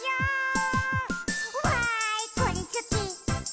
「わーいこれすき！